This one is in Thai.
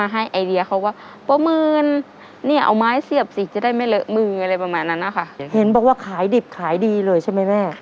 เห็นบอกว่าขายดิบขายดีเลยใช่ไหมแม่